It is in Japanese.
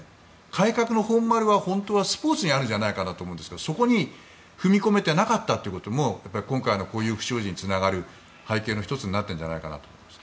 改革の本丸は本当はスポーツにあるんじゃないかと思うんですけど、そこに踏み込めていなかったことも今回の不祥事につながる背景の１つになってるんじゃないかなと思います。